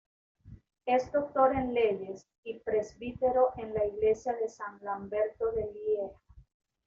Es doctor en leyes y presbítero en la iglesia de San Lamberto de Lieja.